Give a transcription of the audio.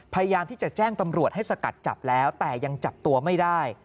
พยายามที่จะแจ้งตำรวจให้สกัดจับแล้วแต่ยังจับตัวไม่ได้